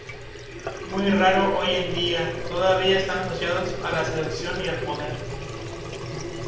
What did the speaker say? Muy raro hoy en día, todavía están asociados a la seducción y al poder.